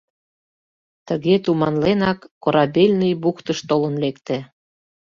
Тыге туманленак, Корабельный бухтыш толын лекте.